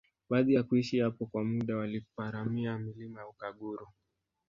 Baada ya kuishi hapo kwa muda waliparamia milima ya Ukaguru